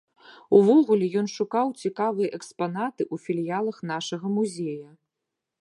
Увогуле ён шукаў цікавыя экспанаты ў філіялах нашага музея.